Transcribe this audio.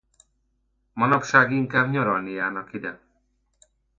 Manapság inkább nyaralni járnak ide.